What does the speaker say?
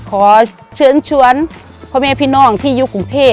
ขอเชิญเพราะเมื่อพี่น้องที่อยู่กรุงเทพฯ